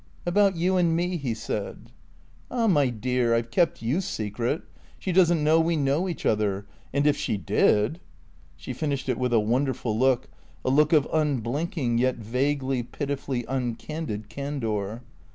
"About you and me," he said. "Ah, my dear, I've kept you secret. She doesn't know we know each other. And if she did " She finished it with a wonderful look, a look of unblinking yet vaguely, pitifully uncandid candour.